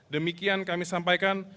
demikian kami sampaikan